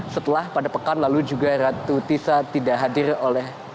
setelah pada pekan lalu juga ratu tisa tidak hadir oleh